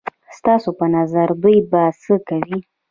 ستاسو په نظر دوی به څه کوي؟